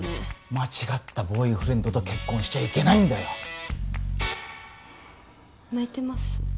間違ったボーイフレンドと結婚しちゃいけないんだよッ泣いてます？